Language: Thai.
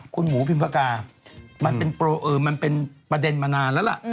คุณหมูพิมพากามันเป็นประเด็นมานานแล้วล่ะ